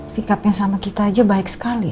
sikapnya sama kita aja baik sekali